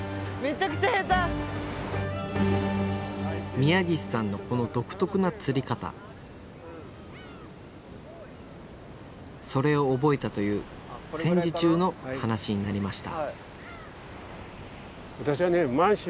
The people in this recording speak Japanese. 宮岸さんのこの独特な釣り方それを覚えたという戦時中の話になりました